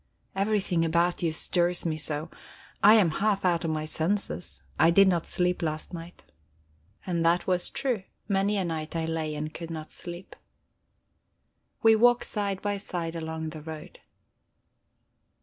Everything about you stirs me so! I am half out of my senses. I did not sleep last night." And that was true. Many a night I lay and could not sleep. We walk side by side along the road.